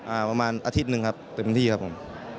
ประมาณอาทิตย์หนึ่งครับเต็มที่ครับผม